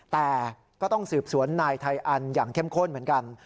แต่ก็ต้องสืบสวนนายไทยอันอย่างเข้มข้นเหมือนกัน